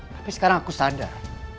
tapi sekarang aku sadar